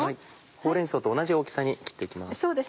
ほうれん草と同じ大きさに切って行きます。